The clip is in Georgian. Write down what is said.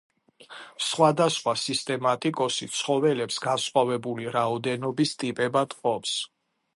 სხვადასხვა სისტემატიკოსი ცხოველებს განსხვავებული რაოდენობის ტიპებად ყოფს.